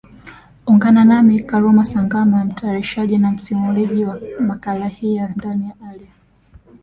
ungana nami karuma sangama mtayarishaji na msimuliji wa makala hii ya ndani ya alia